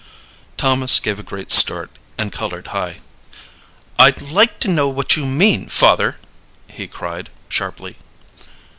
Thomas gave a great start and colored high. "I'd like to know what you mean, father," he cried, sharply.